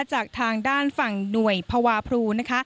จากทางด้านฝั่งหน่วยพวาพรู